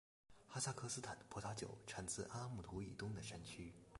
哈萨克斯坦的葡萄酒产自阿拉木图以东的山区。